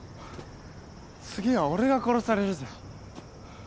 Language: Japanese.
次は俺が殺されるぜハァハァ。